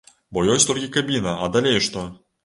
Бо ёсць толькі кабіна, а далей што?